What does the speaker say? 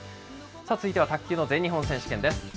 続いては卓球の全日本選手権です。